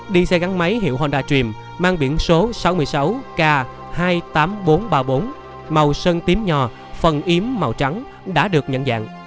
đi xe gắn máy hiệu hondatim mang biển số sáu mươi sáu k hai mươi tám nghìn bốn trăm ba mươi bốn màu sơn tím nhò phần yếm màu trắng đã được nhận dạng